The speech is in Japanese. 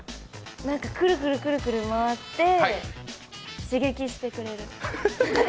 くるくるくるくる回って刺激してくれる。